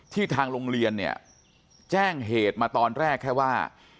ทางโรงเรียนเนี่ยแจ้งเหตุมาตอนแรกแค่ว่า